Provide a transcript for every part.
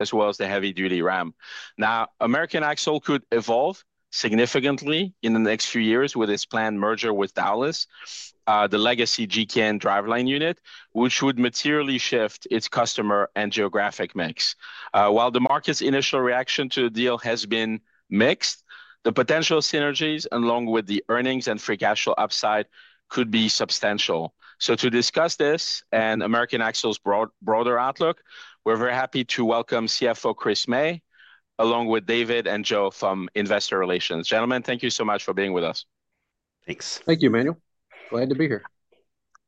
As well as the heavy-duty Ram. Now, American Axle could evolve significantly in the next few years with its planned merger with Dowlais, the legacy GKN Driveline unit, which would materially shift its customer and geographic mix. While the market's initial reaction to the deal has been mixed, the potential synergies, along with the earnings and free cash flow upside, could be substantial. To discuss this and American Axle's broader outlook, we're very happy to welcome CFO Chris May, along with David and Joe from Investor Relations. Gentlemen, thank you so much for being with us. Thanks. Thank you, Emmanuel. Glad to be here.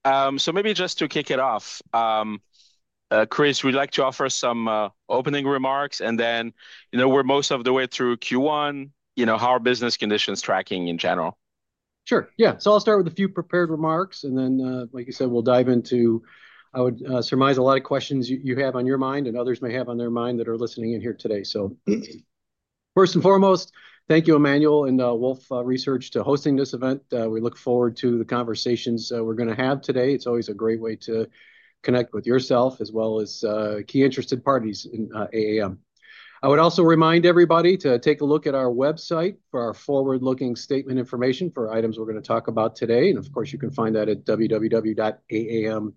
Maybe just to kick it off, Chris, we'd like to offer some opening remarks, and then we're most of the way through Q1, how are business conditions tracking in general? Sure. Yeah. I'll start with a few prepared remarks, and then, like you said, we'll dive into I would surmise a lot of questions you have on your mind and others may have on their mind that are listening in here today. First and foremost, thank you, Emmanuel and Wolfe Research, for hosting this event. We look forward to the conversations we're going to have today. It's always a great way to connect with yourself as well as key interested parties in AAM. I would also remind everybody to take a look at our website for our forward-looking statement information for items we're going to talk about today. Of course, you can find that at www.aam.com.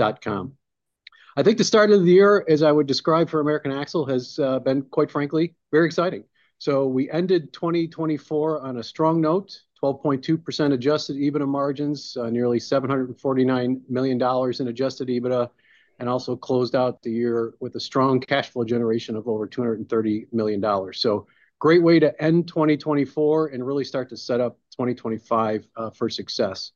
I think the start of the year, as I would describe for American Axle, has been, quite frankly, very exciting. We ended 2024 on a strong note, 12.2% adjusted EBITDA margins, nearly $749 million in adjusted EBITDA, and also closed out the year with a strong cash flow generation of over $230 million. Great way to end 2024 and really start to set up 2025 for success.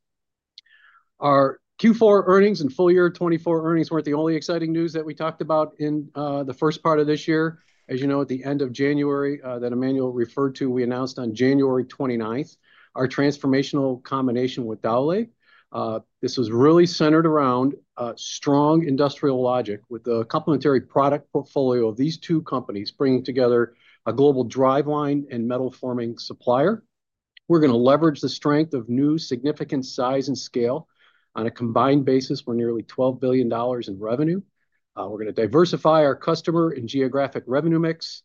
Our Q4 earnings and full year 2024 earnings were not the only exciting news that we talked about in the first part of this year. As you know, at the end of January that Emmanuel referred to, we announced on January 29th our transformational combination with Dowlais. This was really centered around strong industrial logic with the complementary product portfolio of these two companies bringing together a global driveline and metal forming supplier. We are going to leverage the strength of new significant size and scale on a combined basis for nearly $12 billion in revenue. We're going to diversify our customer and geographic revenue mix,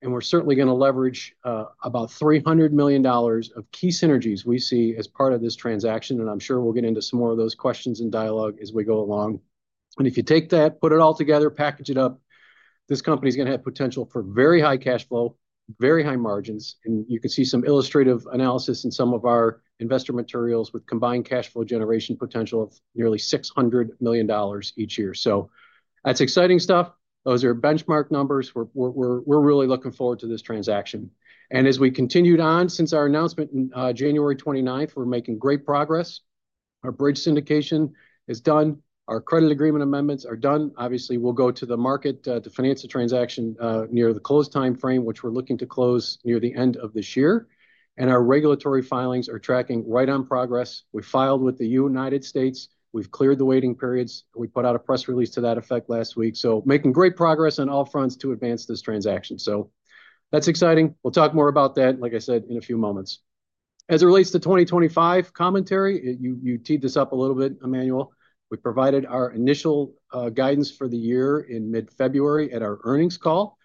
and we're certainly going to leverage about $300 million of key synergies we see as part of this transaction. I'm sure we'll get into some more of those questions and dialogue as we go along. If you take that, put it all together, package it up, this company is going to have potential for very high cash flow, very high margins. You can see some illustrative analysis in some of our investor materials with combined cash flow generation potential of nearly $600 million each year. That's exciting stuff. Those are benchmark numbers. We're really looking forward to this transaction. As we continued on since our announcement on January 29th, we're making great progress. Our bridge syndication is done. Our credit agreement amendments are done. Obviously, we'll go to the market to finance the transaction near the close time frame, which we're looking to close near the end of this year. Our regulatory filings are tracking right on progress. We filed with the United States. We've cleared the waiting periods. We put out a press release to that effect last week. Making great progress on all fronts to advance this transaction. That's exciting. We'll talk more about that, like I said, in a few moments. As it relates to 2025 commentary, you teed this up a little bit, Emmanuel. We provided our initial guidance for the year in mid-February at our earnings call.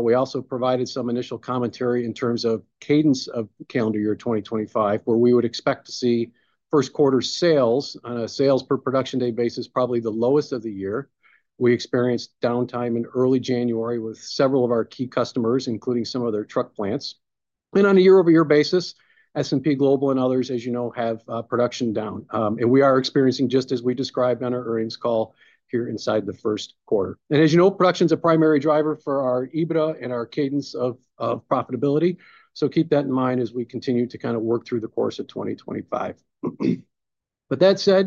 We also provided some initial commentary in terms of cadence of calendar year 2025, where we would expect to see first quarter sales on a sales per production day basis, probably the lowest of the year. We experienced downtime in early January with several of our key customers, including some of their truck plants. On a year-over-year basis, S&P Global and others, as you know, have production down. We are experiencing, just as we described on our earnings call here inside the first quarter. As you know, production is a primary driver for our EBITDA and our cadence of profitability. Keep that in mind as we continue to kind of work through the course of 2025. That said,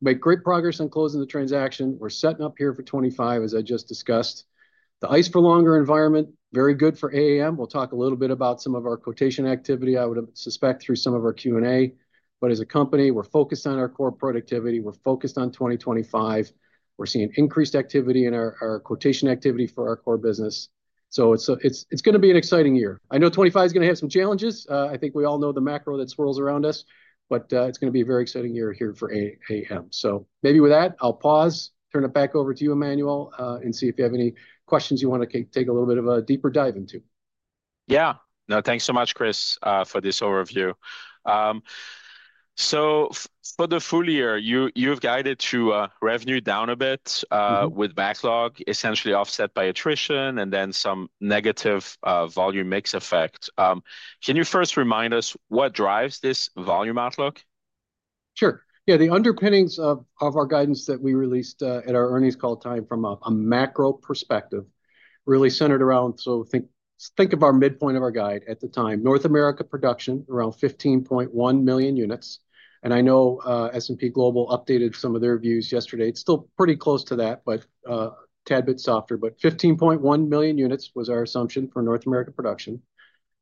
we made great progress on closing the transaction. We are setting up here for 2025, as I just discussed. The ICE for longer environment, very good for AAM. We will talk a little bit about some of our quotation activity, I would suspect, through some of our Q&A. As a company, we are focused on our core productivity. We are focused on 2025. We're seeing increased activity in our quotation activity for our core business. It's going to be an exciting year. I know 2025 is going to have some challenges. I think we all know the macro that swirls around us, but it's going to be a very exciting year here for AAM. Maybe with that, I'll pause, turn it back over to you, Emmanuel, and see if you have any questions you want to take a little bit of a deeper dive into. Yeah. No, thanks so much, Chris, for this overview. For the full year, you've guided to revenue down a bit with backlog essentially offset by attrition and then some negative volume mix effect. Can you first remind us what drives this volume outlook? Sure. Yeah. The underpinnings of our guidance that we released at our earnings call time from a macro perspective really centered around, so think of our midpoint of our guide at the time, North America production, around 15.1 million units. I know S&P Global updated some of their views yesterday. It's still pretty close to that, but a tad bit softer. 15.1 million units was our assumption for North America production.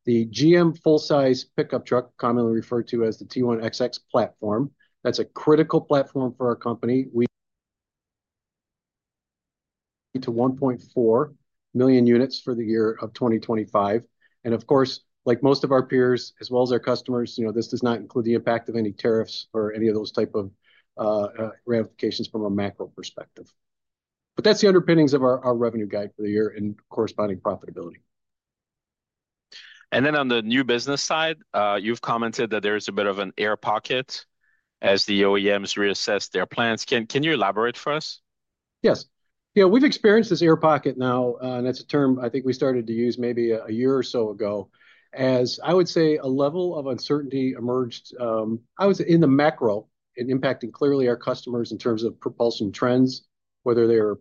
The GM full-size pickup truck, commonly referred to as the T1XX platform, that's a critical platform for our company. We to 1.4 million units for the year of 2025. Of course, like most of our peers, as well as our customers, this does not include the impact of any tariffs or any of those type of ramifications from a macro perspective. That's the underpinnings of our revenue guide for the year and corresponding profitability. On the new business side, you've commented that there is a bit of an air pocket as the OEMs reassess their plans. Can you elaborate for us? Yes. Yeah. We've experienced this air pocket now, and that's a term I think we started to use maybe a year or so ago, as I would say a level of uncertainty emerged, I would say, in the macro and impacting clearly our customers in terms of propulsion trends, whether they are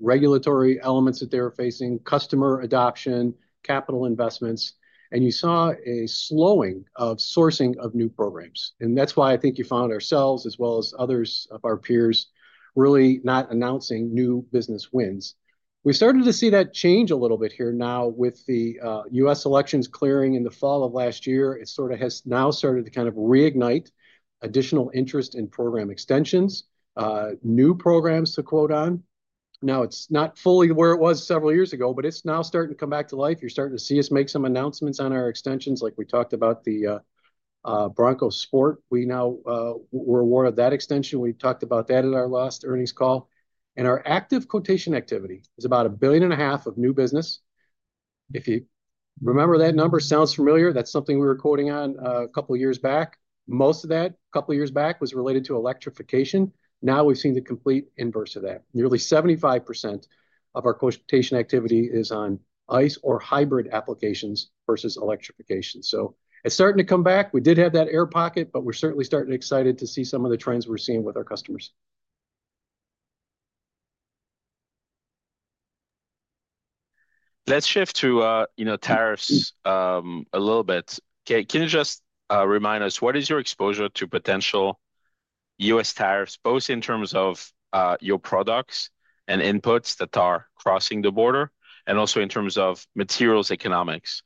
regulatory elements that they're facing, customer adoption, capital investments. You saw a slowing of sourcing of new programs. That's why I think you found ourselves, as well as others of our peers, really not announcing new business wins. We started to see that change a little bit here now with the U.S. elections clearing in the fall of last year. It sort of has now started to kind of reignite additional interest in program extensions, new programs to quote on. Now, it's not fully where it was several years ago, but it's now starting to come back to life. You're starting to see us make some announcements on our extensions, like we talked about the Bronco Sport. We now were aware of that extension. We talked about that at our last earnings call. Our active quotation activity is about $1.5 billion of new business. If you remember that number, sounds familiar. That's something we were quoting on a couple of years back. Most of that a couple of years back was related to electrification. Now we've seen the complete inverse of that. Nearly 75% of our quotation activity is on ICE or hybrid applications versus electrification. It's starting to come back. We did have that air pocket, but we're certainly starting excited to see some of the trends we're seeing with our customers. Let's shift to tariffs a little bit. Can you just remind us, what is your exposure to potential U.S. tariffs, both in terms of your products and inputs that are crossing the border, and also in terms of materials economics?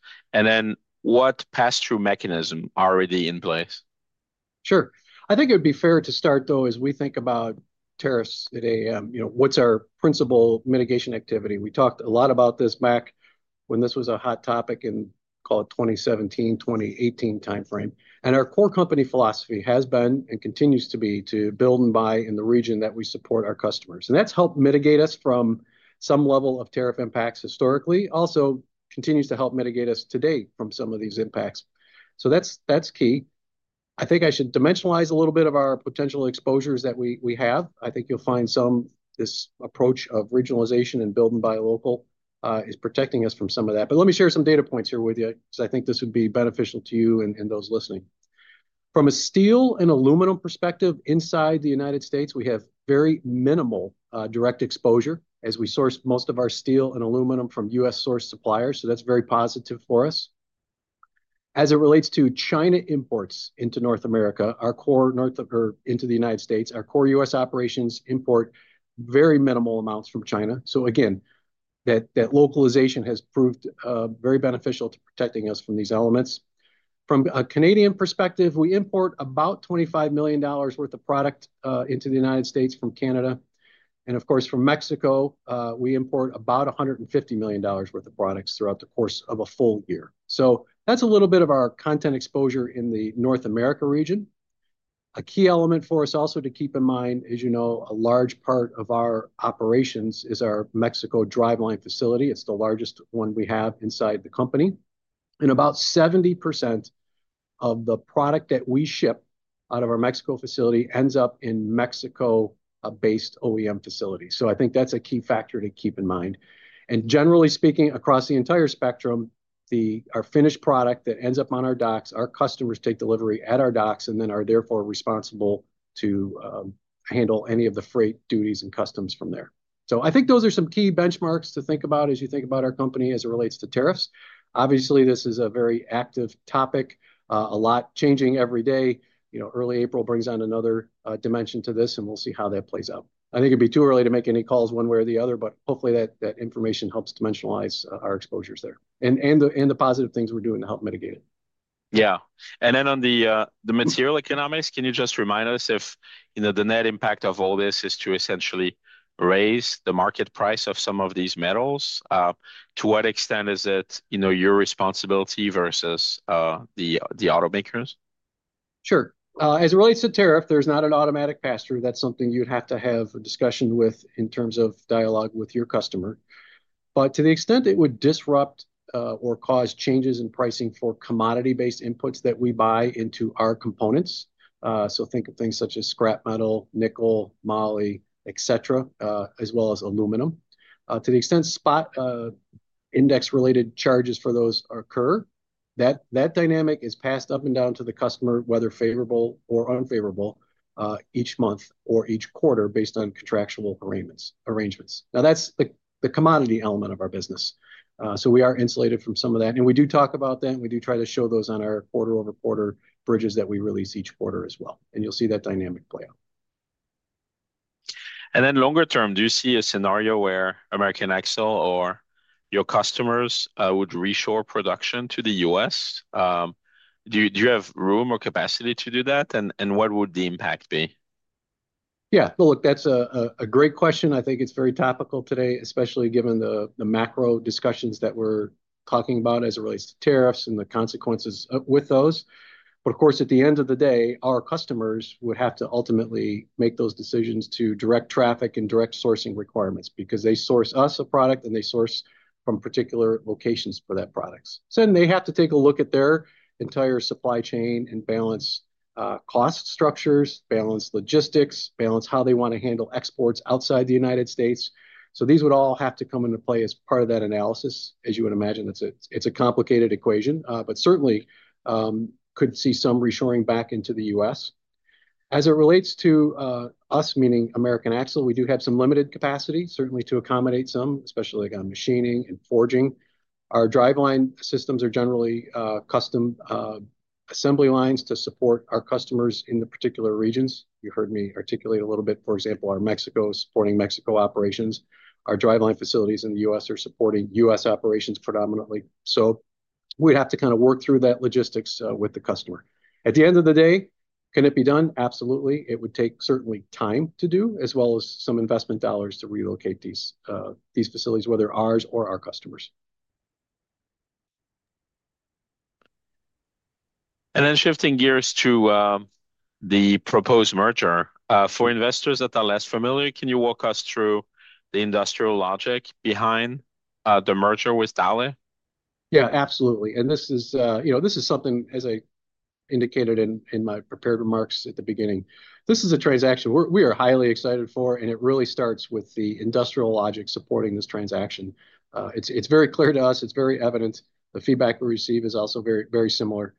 What pass-through mechanism are already in place? Sure. I think it would be fair to start, though, as we think about tariffs at AAM, what's our principal mitigation activity? We talked a lot about this back when this was a hot topic in, call it, 2017, 2018 time frame. Our core company philosophy has been and continues to be to build and buy in the region that we support our customers. That has helped mitigate us from some level of tariff impacts historically. Also, continues to help mitigate us today from some of these impacts. That is key. I think I should dimensionalize a little bit of our potential exposures that we have. I think you will find this approach of regionalization and build and buy local is protecting us from some of that. Let me share some data points here with you, because I think this would be beneficial to you and those listening. From a steel and aluminum perspective, inside the U.S., we have very minimal direct exposure, as we source most of our steel and aluminum from U.S.-sourced suppliers. That is very positive for us. As it relates to China imports into North America, our core into the U.S., our core U.S. operations import very minimal amounts from China. That localization has proved very beneficial to protecting us from these elements. From a Canadian perspective, we import about $25 million worth of product into the U.S. from Canada. Of course, from Mexico, we import about $150 million worth of products throughout the course of a full year. That is a little bit of our content exposure in the North America region. A key element for us also to keep in mind, as you know, a large part of our operations is our Mexico driveline facility. It's the largest one we have inside the company. About 70% of the product that we ship out of our Mexico facility ends up in Mexico-based OEM facilities. I think that's a key factor to keep in mind. Generally speaking, across the entire spectrum, our finished product that ends up on our docks, our customers take delivery at our docks and then are therefore responsible to handle any of the freight duties and customs from there. I think those are some key benchmarks to think about as you think about our company as it relates to tariffs. Obviously, this is a very active topic, a lot changing every day. Early April brings on another dimension to this, and we'll see how that plays out. I think it'd be too early to make any calls one way or the other, but hopefully that information helps dimensionalize our exposures there and the positive things we're doing to help mitigate it. Yeah. On the material economics, can you just remind us if the net impact of all this is to essentially raise the market price of some of these metals? To what extent is it your responsibility versus the automakers? Sure. As it relates to tariff, there's not an automatic pass-through. That's something you'd have to have a discussion with in terms of dialogue with your customer. To the extent it would disrupt or cause changes in pricing for commodity-based inputs that we buy into our components, so think of things such as scrap metal, nickel, moly, etc., as well as aluminum, to the extent spot index-related charges for those occur, that dynamic is passed up and down to the customer, whether favorable or unfavorable, each month or each quarter based on contractual arrangements. That is the commodity element of our business. We are insulated from some of that. We do talk about that, and we do try to show those on our quarter-over-quarter bridges that we release each quarter as well. You will see that dynamic play out. Longer term, do you see a scenario where American Axle or your customers would reshore production to the U.S.? Do you have room or capacity to do that, and what would the impact be? Yeah. Look, that's a great question. I think it's very topical today, especially given the macro discussions that we're talking about as it relates to tariffs and the consequences with those. Of course, at the end of the day, our customers would have to ultimately make those decisions to direct traffic and direct sourcing requirements because they source us a product and they source from particular locations for that product. They have to take a look at their entire supply chain and balance cost structures, balance logistics, balance how they want to handle exports outside the U.S. These would all have to come into play as part of that analysis, as you would imagine. It's a complicated equation, but certainly could see some reshoring back into the U.S. As it relates to us, meaning American Axle, we do have some limited capacity, certainly to accommodate some, especially on machining and forging. Our driveline systems are generally custom assembly lines to support our customers in the particular regions. You heard me articulate a little bit, for example, our Mexico is supporting Mexico operations. Our driveline facilities in the U.S. are supporting U.S. operations predominantly. We would have to kind of work through that logistics with the customer. At the end of the day, can it be done? Absolutely. It would take certainly time to do, as well as some investment dollars to relocate these facilities, whether ours or our customers. Shifting gears to the proposed merger. For investors that are less familiar, can you walk us through the industrial logic behind the merger with Dowlais? Yeah, absolutely. This is something, as I indicated in my prepared remarks at the beginning, this is a transaction we are highly excited for, and it really starts with the industrial logic supporting this transaction. It is very clear to us. It is very evident. The feedback we receive is also very similar.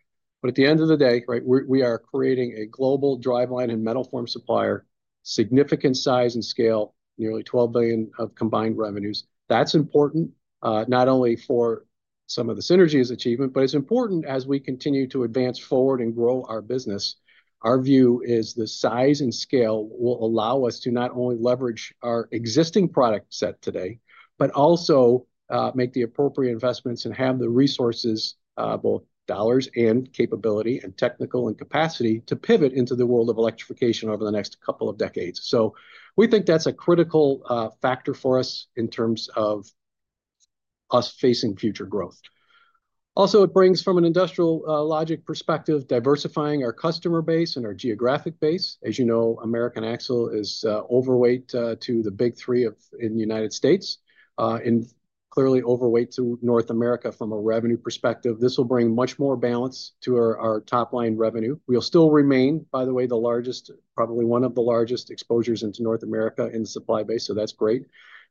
At the end of the day, we are creating a global driveline and metal forming supplier, significant size and scale, nearly $12 billion of combined revenues. That is important not only for some of the synergies achievement, but it is important as we continue to advance forward and grow our business. Our view is the size and scale will allow us to not only leverage our existing product set today, but also make the appropriate investments and have the resources, both dollars and capability and technical and capacity to pivot into the world of electrification over the next couple of decades. We think that's a critical factor for us in terms of us facing future growth. Also, it brings from an industrial logic perspective, diversifying our customer base and our geographic base. As you know, American Axle is overweight to the Big Three in the United States, and clearly overweight to North America from a revenue perspective. This will bring much more balance to our top-line revenue. We'll still remain, by the way, the largest, probably one of the largest exposures into North America in the supply base. That's great.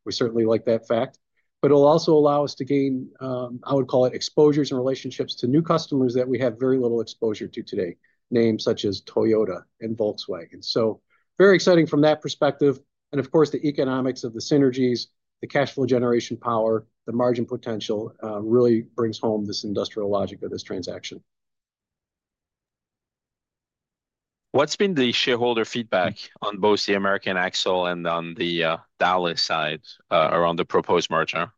We certainly like that fact. It will also allow us to gain, I would call it, exposures and relationships to new customers that we have very little exposure to today, names such as Toyota and Volkswagen. Very exciting from that perspective. Of course, the economics of the synergies, the cash flow generation power, the margin potential really brings home this industrial logic of this transaction. What's been the shareholder feedback on both the American Axle and on the Dowlais side around the proposed merger?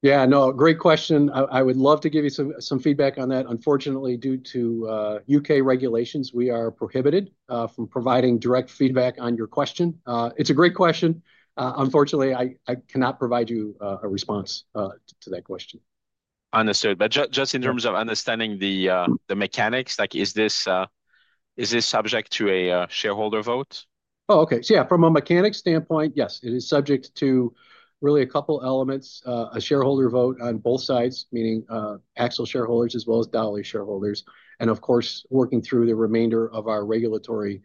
Yeah, no, great question. I would love to give you some feedback on that. Unfortunately, due to U.K. regulations, we are prohibited from providing direct feedback on your question. It's a great question. Unfortunately, I cannot provide you a response to that question. Understood. Just in terms of understanding the mechanics, is this subject to a shareholder vote? Oh, okay. Yeah, from a mechanics standpoint, yes, it is subject to really a couple of elements, a shareholder vote on both sides, meaning Axle shareholders as well as Dowlais shareholders, and of course, working through the remainder of our regulatory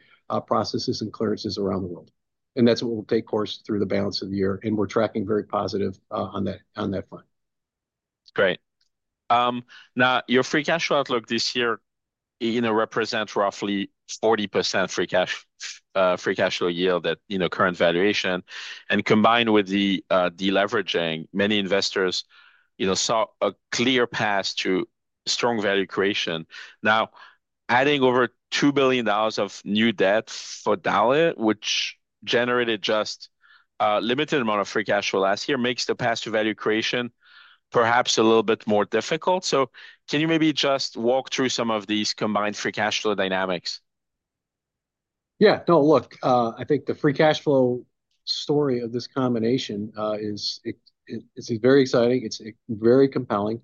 processes and clearances around the world. That is what will take course through the balance of the year. We are tracking very positive on that front. Great. Now, your free cash flow outlook this year represents roughly 40% free cash flow yield at current valuation. Combined with the deleveraging, many investors saw a clear path to strong value creation. Now, adding over $2 billion of new debt for Dowlais, which generated just a limited amount of free cash flow last year, makes the path to value creation perhaps a little bit more difficult. Can you maybe just walk through some of these combined free cash flow dynamics? Yeah. No, look, I think the free cash flow story of this combination is very exciting. It's very compelling.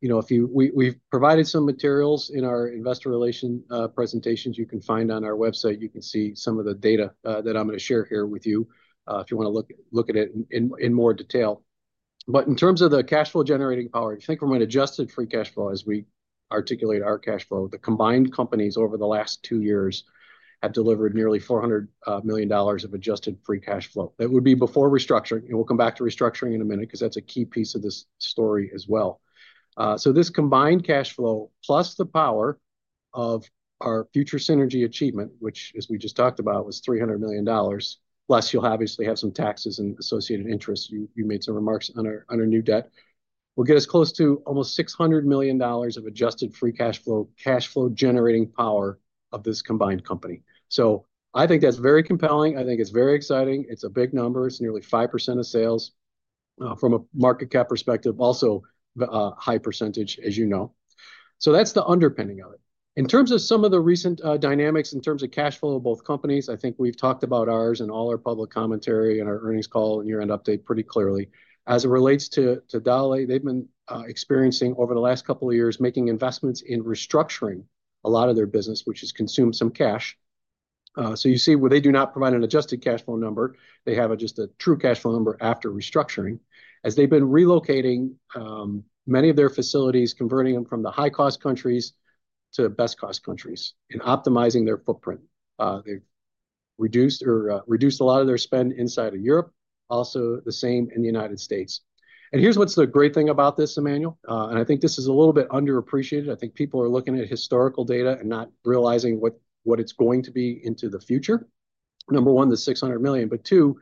We've provided some materials in our investor relation presentations you can find on our website. You can see some of the data that I'm going to share here with you if you want to look at it in more detail. In terms of the cash flow generating power, I think from an adjusted free cash flow, as we articulate our cash flow, the combined companies over the last two years have delivered nearly $400 million of adjusted free cash flow. That would be before restructuring. We'll come back to restructuring in a minute because that's a key piece of this story as well. This combined cash flow plus the power of our future synergy achievement, which, as we just talked about, was $300 million, plus you'll obviously have some taxes and associated interest. You made some remarks on our new debt. We'll get us close to almost $600 million of adjusted free cash flow generating power of this combined company. I think that's very compelling. I think it's very exciting. It's a big number. It's nearly 5% of sales from a market cap perspective, also a high percentage, as you know. That's the underpinning of it. In terms of some of the recent dynamics in terms of cash flow of both companies, I think we've talked about ours and all our public commentary in our earnings call and year-end update pretty clearly. As it relates to Dowlais, they've been experiencing over the last couple of years making investments in restructuring a lot of their business, which has consumed some cash. You see where they do not provide an adjusted cash flow number. They have just a true cash flow number after restructuring, as they've been relocating many of their facilities, converting them from the high-cost countries to best-cost countries and optimizing their footprint. They've reduced a lot of their spend inside of Europe, also the same in the United States. Here's what's the great thing about this, Emmanuel. I think this is a little bit underappreciated. I think people are looking at historical data and not realizing what it's going to be into the future. Number one, the $600 million. Two,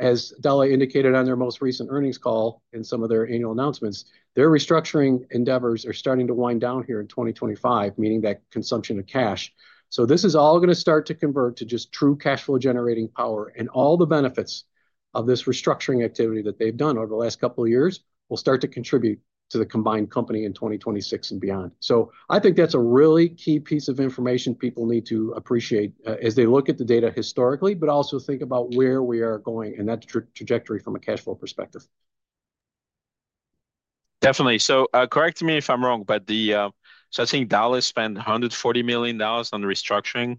as Dowlais indicated on their most recent earnings call and some of their annual announcements, their restructuring endeavors are starting to wind down here in 2025, meaning that consumption of cash. This is all going to start to convert to just true cash flow-generating power. All the benefits of this restructuring activity that they've done over the last couple of years will start to contribute to the combined company in 2026 and beyond. I think that's a really key piece of information people need to appreciate as they look at the data historically, but also think about where we are going and that trajectory from a cash flow perspective. Definitely. Correct me if I'm wrong, but I think Dowlais spent $140 million on restructuring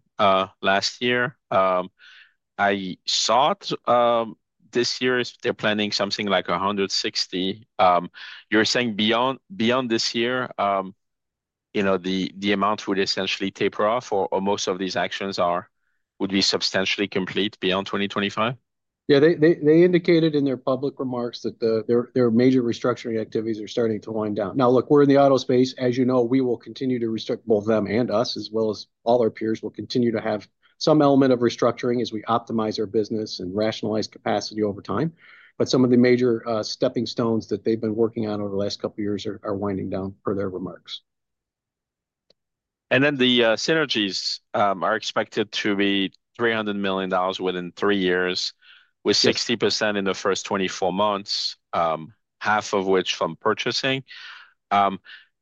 last year. I thought this year they're planning something like $160 million. You're saying beyond this year, the amount would essentially taper off or most of these actions would be substantially complete beyond 2025? Yeah, they indicated in their public remarks that their major restructuring activities are starting to wind down. Now, look, we're in the auto space. As you know, we will continue to restructure both them and us, as well as all our peers will continue to have some element of restructuring as we optimize our business and rationalize capacity over time. Some of the major stepping stones that they've been working on over the last couple of years are winding down per their remarks. The synergies are expected to be $300 million within three years, with 60% in the first 24 months, half of which from purchasing.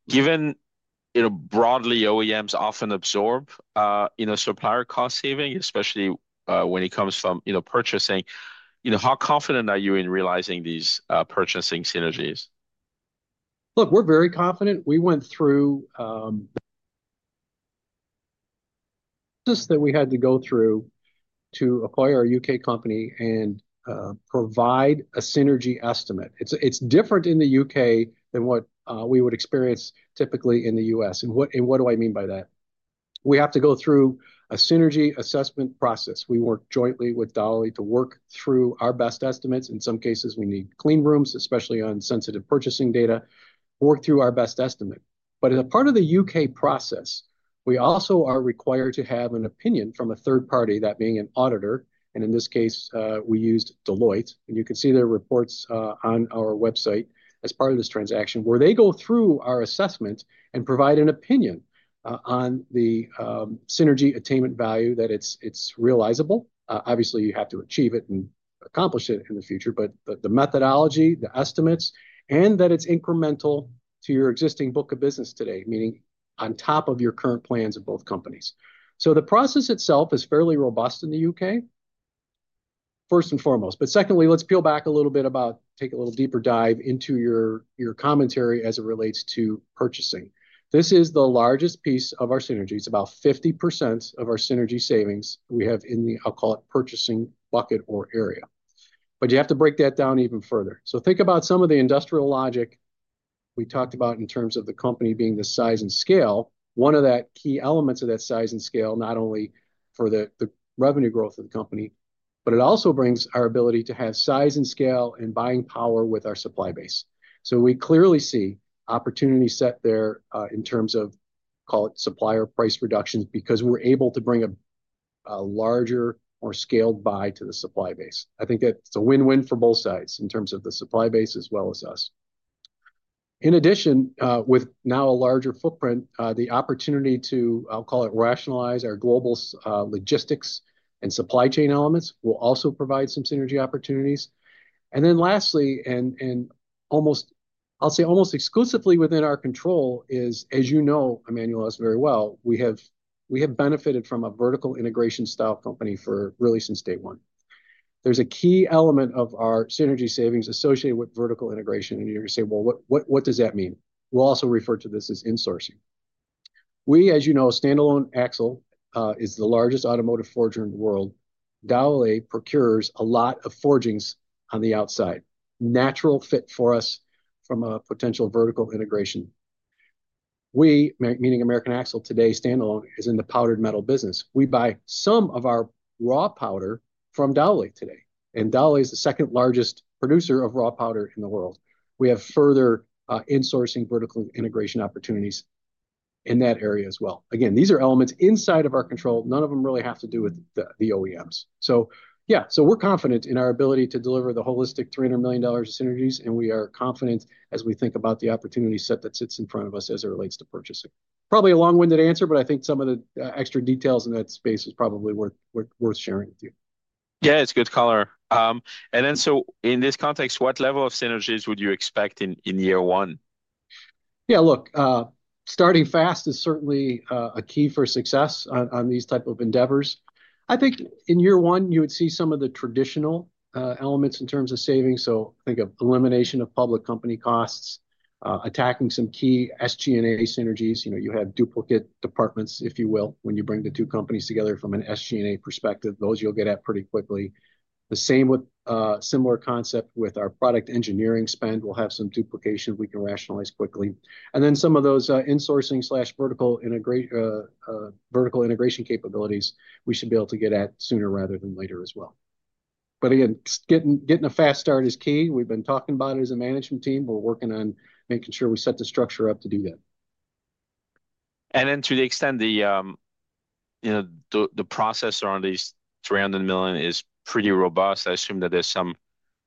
Given broadly OEMs often absorb supplier cost saving, especially when it comes from purchasing, how confident are you in realizing these purchasing synergies? Look, we're very confident. We went through the process that we had to go through to acquire a U.K. company and provide a synergy estimate. It's different in the U.K. than what we would experience typically in the U.S. What do I mean by that? We have to go through a synergy assessment process. We work jointly with Dowlais to work through our best estimates. In some cases, we need clean rooms, especially on sensitive purchasing data, work through our best estimate. As a part of the U.K. process, we also are required to have an opinion from a third party, that being an auditor. In this case, we used Deloitte. You can see their reports on our website as part of this transaction where they go through our assessment and provide an opinion on the synergy attainment value, that it's realizable. Obviously, you have to achieve it and accomplish it in the future, but the methodology, the estimates, and that it's incremental to your existing book of business today, meaning on top of your current plans of both companies. The process itself is fairly robust in the U.K., first and foremost. Secondly, let's peel back a little bit about, take a little deeper dive into your commentary as it relates to purchasing. This is the largest piece of our synergies. It's about 50% of our synergy savings we have in the, I'll call it, purchasing bucket or area. You have to break that down even further. Think about some of the industrial logic we talked about in terms of the company being the size and scale. One of the key elements of that size and scale, not only for the revenue growth of the company, but it also brings our ability to have size and scale and buying power with our supply base. We clearly see opportunity set there in terms of, call it, supplier price reductions because we're able to bring a larger, more scaled buy to the supply base. I think that's a win-win for both sides in terms of the supply base as well as us. In addition, with now a larger footprint, the opportunity to, I'll call it, rationalize our global logistics and supply chain elements will also provide some synergy opportunities. Lastly, and I'll say almost exclusively within our control is, as you know, Emmanuel asked very well, we have benefited from a vertical integration style company for really since day one. There's a key element of our synergy savings associated with vertical integration. And you're going to say, well, what does that mean? We'll also refer to this as insourcing. We, as you know, standalone Axle is the largest automotive forger in the world. Dowlais procures a lot of forgings on the outside. Natural fit for us from a potential vertical integration. We, meaning American Axle today, standalone, is in the powdered metal business. We buy some of our raw powder from Dowlais today. And Dowlais is the second largest producer of raw powder in the world. We have further insourcing vertical integration opportunities in that area as well. Again, these are elements inside of our control. None of them really have to do with the OEMs. So, yeah, so we're confident in our ability to deliver the holistic $300 million of synergies. We are confident as we think about the opportunity set that sits in front of us as it relates to purchasing. Probably a long-winded answer, but I think some of the extra details in that space is probably worth sharing with you. Yeah, it's good color. In this context, what level of synergies would you expect in year one? Yeah, look, starting fast is certainly a key for success on these types of endeavors. I think in year one, you would see some of the traditional elements in terms of savings. Think of elimination of public company costs, attacking some key SG&A synergies. You have duplicate departments, if you will, when you bring the two companies together from an SG&A perspective. Those you'll get at pretty quickly. The same with similar concept with our product engineering spend. We'll have some duplication we can rationalize quickly. Some of those insourcing/vertical integration capabilities, we should be able to get at sooner rather than later as well. Again, getting a fast start is key. We've been talking about it as a management team. We're working on making sure we set the structure up to do that. To the extent the process around these $300 million is pretty robust, I assume that there's some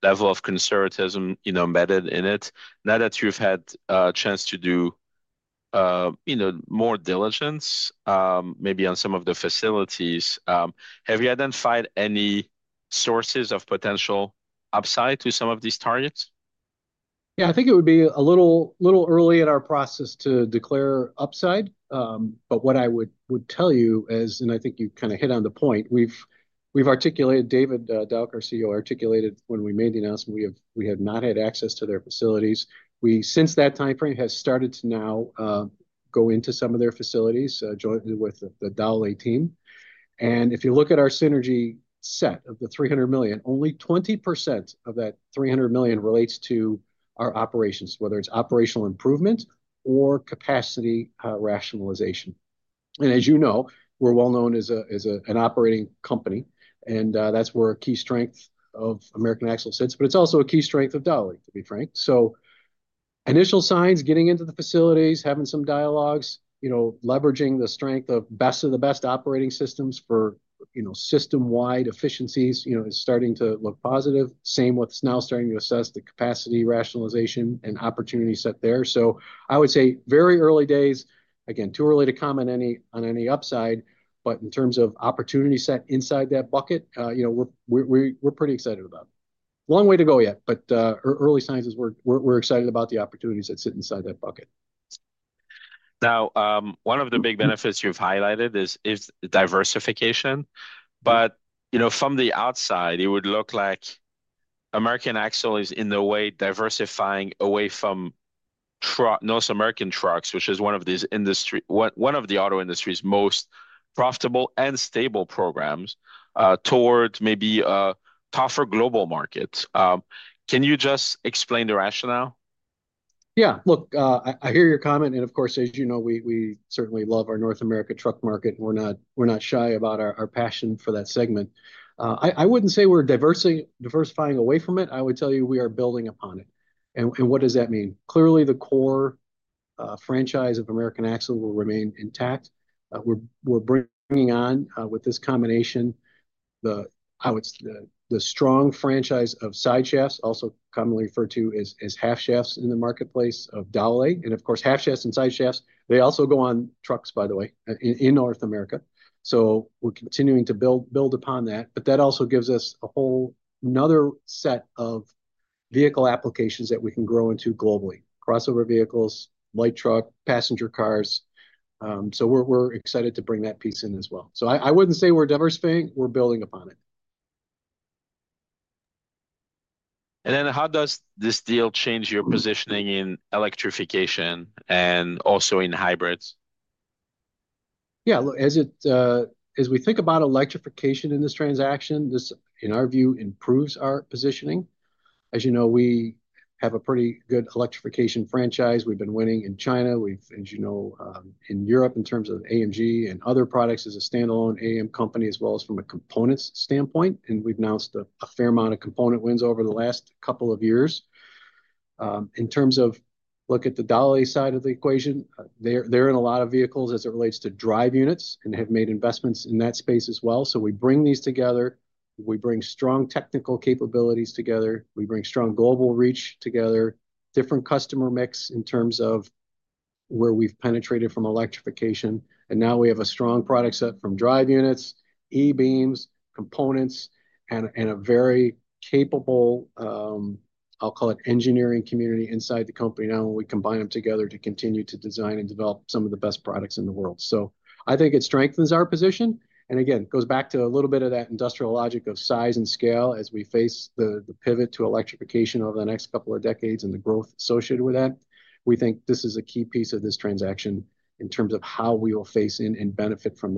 level of conservatism embedded in it. Now that you've had a chance to do more diligence maybe on some of the facilities, have you identified any sources of potential upside to some of these targets? Yeah, I think it would be a little early in our process to declare upside. What I would tell you is, and I think you kind of hit on the point, we've articulated, David Dauch, our CEO, articulated when we made the announcement, we have not had access to their facilities. We, since that time frame, have started to now go into some of their facilities jointly with the Dowlais team. If you look at our synergy set of the $300 million, only 20% of that $300 million relates to our operations, whether it's operational improvement or capacity rationalization. As you know, we're well known as an operating company. That's where a key strength of American Axle sits. It's also a key strength of Dowlais, to be frank. Initial signs, getting into the facilities, having some dialogues, leveraging the strength of best of the best operating systems for system-wide efficiencies is starting to look positive. Same with now starting to assess the capacity rationalization and opportunity set there. I would say very early days, again, too early to comment on any upside. In terms of opportunity set inside that bucket, we're pretty excited about it. Long way to go yet, but early signs as we're excited about the opportunities that sit inside that bucket. Now, one of the big benefits you've highlighted is diversification. From the outside, it would look like American Axle is in the way diversifying away from North American trucks, which is one of the auto industry's most profitable and stable programs toward maybe tougher global markets. Can you just explain the rationale? Yeah, look, I hear your comment. And of course, as you know, we certainly love our North America truck market. We're not shy about our passion for that segment. I wouldn't say we're diversifying away from it. I would tell you we are building upon it. And what does that mean? Clearly, the core franchise of American Axle will remain intact. We're bringing on, with this combination, the strong franchise of side shafts, also commonly referred to as half shafts in the marketplace of Dowlais. And of course, half shafts and side shafts, they also go on trucks, by the way, in North America. So, we're continuing to build upon that. But that also gives us a whole another set of vehicle applications that we can grow into globally: crossover vehicles, light truck, passenger cars. So, we're excited to bring that piece in as well. I wouldn't say we're diversifying. We're building upon it. How does this deal change your positioning in electrification and also in hybrids? Yeah, look, as we think about electrification in this transaction, this, in our view, improves our positioning. As you know, we have a pretty good electrification franchise. We've been winning in China. We've, as you know, in Europe in terms of AAM and other products as a standalone AAM company, as well as from a components standpoint. We've announced a fair amount of component wins over the last couple of years. In terms of look at the Dowlais side of the equation, they're in a lot of vehicles as it relates to drive units and have made investments in that space as well. We bring these together. We bring strong technical capabilities together. We bring strong global reach together, different customer mix in terms of where we've penetrated from electrification. We have a strong product set from drive units, e-Beams, components, and a very capable, I'll call it, engineering community inside the company now when we combine them together to continue to design and develop some of the best products in the world. I think it strengthens our position. It goes back to a little bit of that industrial logic of size and scale as we face the pivot to electrification over the next couple of decades and the growth associated with that. We think this is a key piece of this transaction in terms of how we will face and benefit from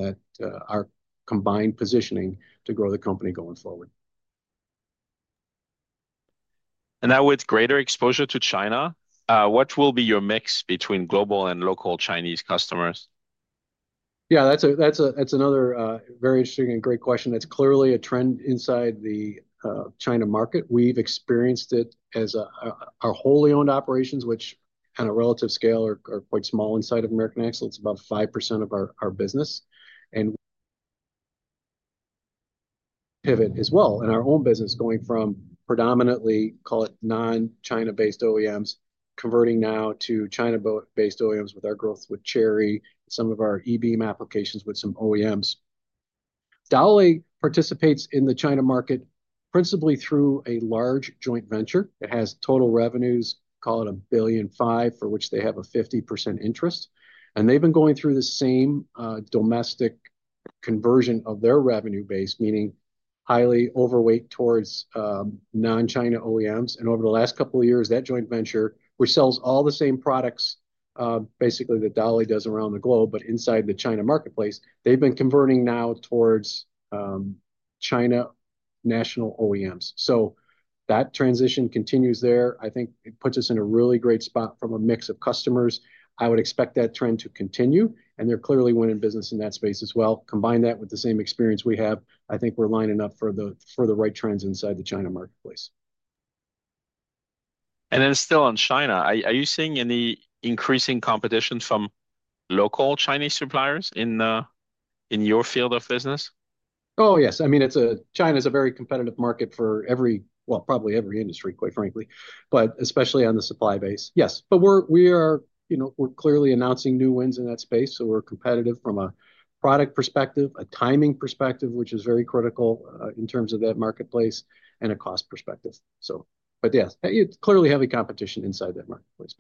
our combined positioning to grow the company going forward. Now with greater exposure to China, what will be your mix between global and local Chinese customers? Yeah, that's another very interesting and great question. That's clearly a trend inside the China market. We've experienced it as our wholly owned operations, which on a relative scale are quite small inside of American Axle. It's about 5% of our business. And pivot as well in our own business going from predominantly, call it, non-China-based OEMs, converting now to China-based OEMs with our growth with Chery, some of our e-Beam applications with some OEMs. Dowlais participates in the China market principally through a large joint venture. It has total revenues, call it $1.5 billion, for which they have a 50% interest. They've been going through the same domestic conversion of their revenue base, meaning highly overweight towards non-China OEMs. Over the last couple of years, that joint venture, which sells all the same products basically that Dowlais does around the globe, but inside the China marketplace, has been converting now towards China national OEMs. That transition continues there. I think it puts us in a really great spot from a mix of customers. I would expect that trend to continue. They are clearly winning business in that space as well. Combine that with the same experience we have, I think we are lining up for the right trends inside the China marketplace. Still on China, are you seeing any increasing competition from local Chinese suppliers in your field of business? Oh, yes. I mean, China is a very competitive market for every, well, probably every industry, quite frankly, but especially on the supply base. Yes. We're clearly announcing new wins in that space. We're competitive from a product perspective, a timing perspective, which is very critical in terms of that marketplace, and a cost perspective. Yes, clearly heavy competition inside that marketplace.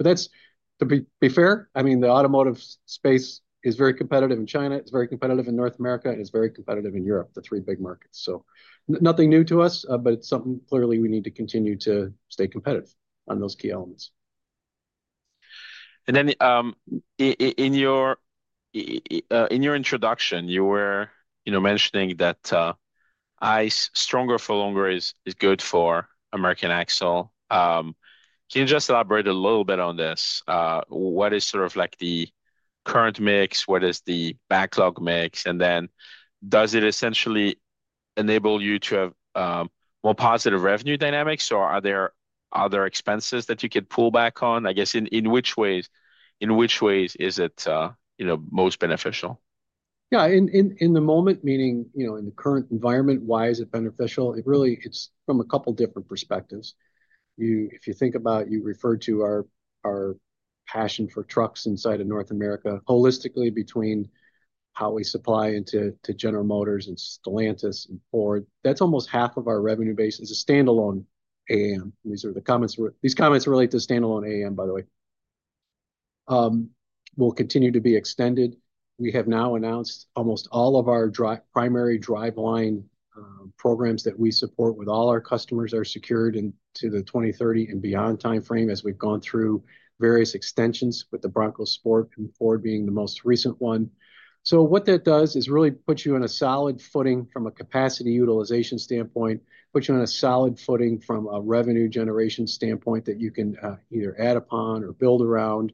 To be fair, I mean, the automotive space is very competitive in China. It's very competitive in North America. It is very competitive in Europe, the three big markets. Nothing new to us, but it's something clearly we need to continue to stay competitive on those key elements. In your introduction, you were mentioning that ICE, stronger for longer, is good for American Axle. Can you just elaborate a little bit on this? What is sort of like the current mix? What is the backlog mix? Does it essentially enable you to have more positive revenue dynamics? Are there other expenses that you could pull back on? I guess in which ways is it most beneficial? Yeah, in the moment, meaning in the current environment, why is it beneficial? It really is from a couple of different perspectives. If you think about, you referred to our passion for trucks inside of North America. Holistically between how we supply into General Motors and Stellantis and Ford, that's almost half of our revenue base as a standalone AAM. These comments relate to standalone AAM, by the way. Will continue to be extended. We have now announced almost all of our primary driveline programs that we support with all our customers are secured into the 2030 and beyond timeframe as we've gone through various extensions with the Bronco Sport and Ford being the most recent one. What that does is really put you on a solid footing from a capacity utilization standpoint, put you on a solid footing from a revenue generation standpoint that you can either add upon or build around,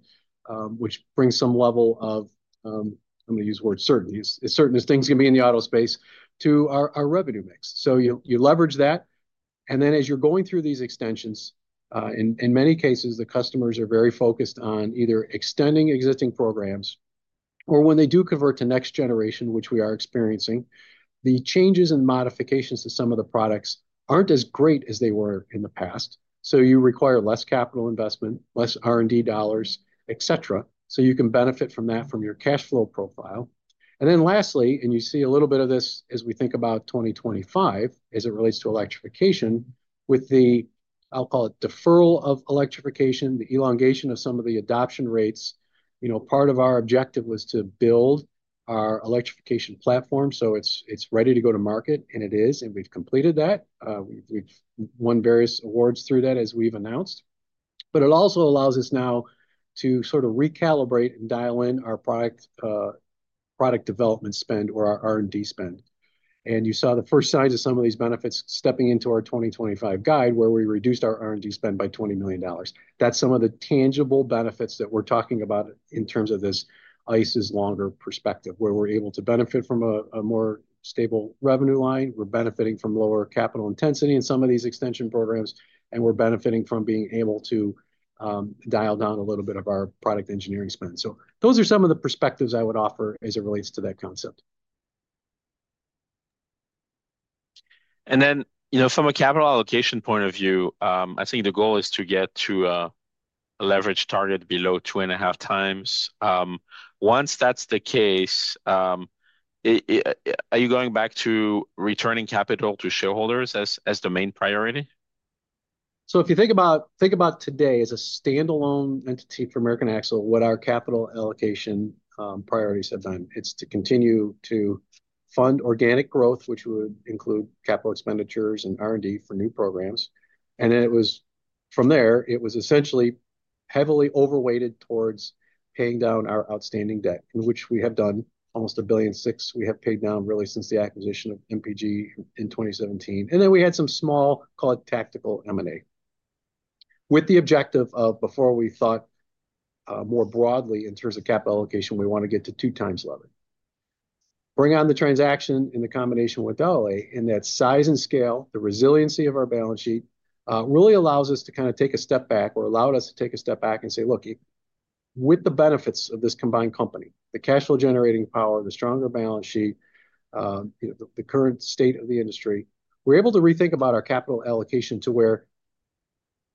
which brings some level of, I'm going to use the word certainty. As certain as things can be in the auto space to our revenue mix. You leverage that. Then as you're going through these extensions, in many cases, the customers are very focused on either extending existing programs. When they do convert to next generation, which we are experiencing, the changes and modifications to some of the products aren't as great as they were in the past. You require less capital investment, less R&D dollars, etc. You can benefit from that from your cash flow profile. Lastly, and you see a little bit of this as we think about 2025 as it relates to electrification with the, I'll call it, deferral of electrification, the elongation of some of the adoption rates. Part of our objective was to build our electrification platform. So, it's ready to go to market, and it is. We've completed that. We've won various awards through that as we've announced. It also allows us now to sort of recalibrate and dial in our product development spend or our R&D spend. You saw the first signs of some of these benefits stepping into our 2025 guide where we reduced our R&D spend by $20 million. That's some of the tangible benefits that we're talking about in terms of this ICE's longer perspective where we're able to benefit from a more stable revenue line. We're benefiting from lower capital intensity in some of these extension programs. We're benefiting from being able to dial down a little bit of our product engineering spend. Those are some of the perspectives I would offer as it relates to that concept. From a capital allocation point of view, I think the goal is to get to a leverage target below 2.5x. Once that's the case, are you going back to returning capital to shareholders as the main priority? If you think about today as a standalone entity for American Axle, what our capital allocation priorities have done, it's to continue to fund organic growth, which would include capital expenditures and R&D for new programs. From there, it was essentially heavily overweighted towards paying down our outstanding debt, which we have done almost $1.6 billion. We have paid down really since the acquisition of MPG in 2017. We had some small, call it, tactical M&A with the objective of before we thought more broadly in terms of capital allocation, we want to get to 2x level. Bringing on the transaction in the combination with Dowlais in that size and scale, the resiliency of our balance sheet really allows us to kind of take a step back or allowed us to take a step back and say, look, with the benefits of this combined company, the cash flow generating power, the stronger balance sheet, the current state of the industry, we're able to rethink about our capital allocation to where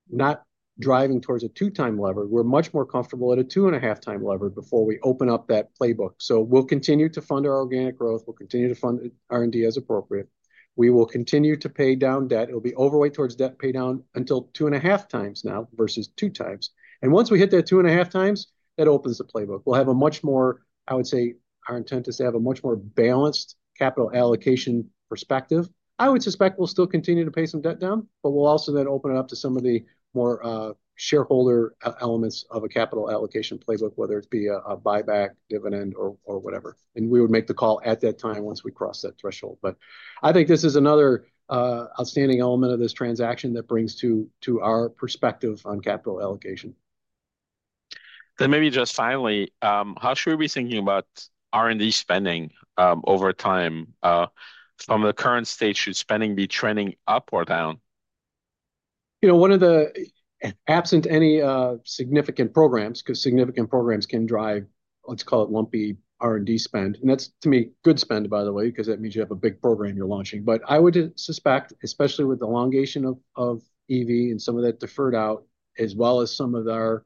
not driving towards a two-time lever. We're much more comfortable at a 2.5x lever before we open up that playbook. We will continue to fund our organic growth. We will continue to fund R&D as appropriate. We will continue to pay down debt. It will be overweight towards debt pay down until 2.5x now versus 2x. Once we hit that 2.5x, that opens the playbook. We'll have a much more, I would say our intent is to have a much more balanced capital allocation perspective. I would suspect we'll still continue to pay some debt down, but we'll also then open it up to some of the more shareholder elements of a capital allocation playbook, whether it be a buyback, dividend, or whatever. We would make the call at that time once we cross that threshold. I think this is another outstanding element of this transaction that brings to our perspective on capital allocation. Maybe just finally, how should we be thinking about R&D spending over time? From the current stage, should spending be trending up or down? You know, absent any significant programs, because significant programs can drive, let's call it lumpy R&D spend. And that's to me good spend, by the way, because that means you have a big program you're launching. I would suspect, especially with the elongation of EV and some of that deferred out, as well as some of our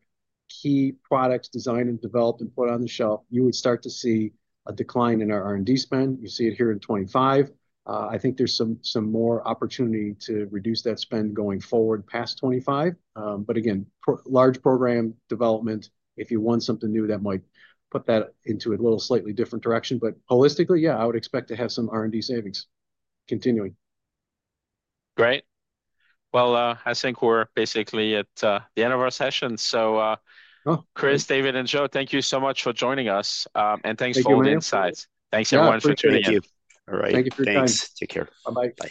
key products designed and developed and put on the shelf, you would start to see a decline in our R&D spend. You see it here in 2025. I think there's some more opportunity to reduce that spend going forward past 2025. Again, large program development, if you want something new, that might put that into a slightly different direction. Holistically, yeah, I would expect to have some R&D savings continuing. Great. I think we're basically at the end of our session. Chris, David, and Joe, thank you so much for joining us. Thanks for all the insights. Thanks everyone for tuning in. Thank you. All right. Thank you for your time. Thanks. Take care. Bye-bye.